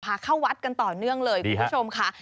เข้าวัดกันต่อเนื่องเลยคุณผู้ชมค่ะ